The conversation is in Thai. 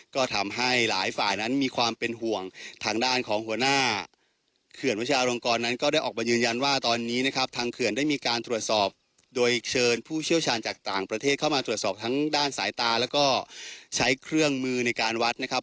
ก็ทำให้หลายฝ่ายนั้นมีความเป็นห่วงทางด้านของหัวหน้าเขื่อนวัชชาลงกรนั้นก็ได้ออกมายืนยันว่าตอนนี้นะครับทางเขื่อนได้มีการตรวจสอบโดยเชิญผู้เชี่ยวชาญจากต่างประเทศเข้ามาตรวจสอบทั้งด้านสายตาแล้วก็ใช้เครื่องมือในการวัดนะครับ